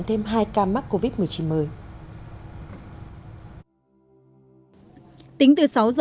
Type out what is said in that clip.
thêm hai ca mắc covid một mươi chín mới tính từ sáu giờ đến một mươi tám giờ